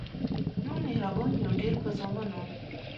مونږ مهربان یو ډیر په زامنو